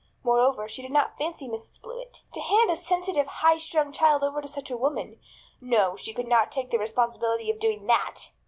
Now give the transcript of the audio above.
More over, she did not fancy Mrs. Blewett. To hand a sensitive, "highstrung" child over to such a woman! No, she could not take the responsibility of doing that!